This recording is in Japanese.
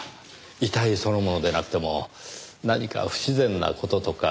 遺体そのものでなくても何か不自然な事とか。